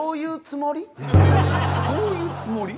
どういうつもり？